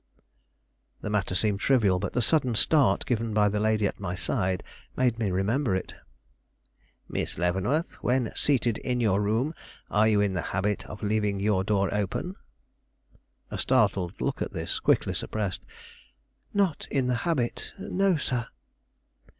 The matter seemed trivial; but the sudden start given by the lady at my side made me remember it. "Miss Leavenworth, when seated in your room, are you in the habit of leaving your door open?" A startled look at this, quickly suppressed. "Not in the habit; no, sir."